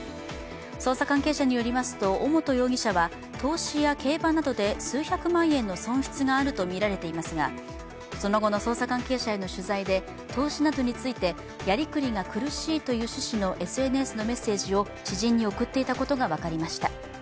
捜査関係者によりますと、尾本容疑者は投資や競馬などで数百万円の損失があるとみられていますがその後の捜査関係者への取材で投資などについてやりくりが苦しいという趣旨のＳＮＳのメッセージを知人に送っていたことが分かりました。